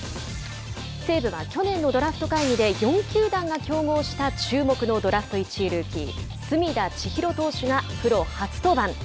西武は、去年のドラフト会議で４球団が競合した注目のドラフト１位ルーキー隅田知一郎投手がプロ初登板。